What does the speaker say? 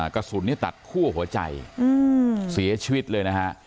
กระสุนตัดคั่วหัวใจเสียชีวิตเลยนะฮะ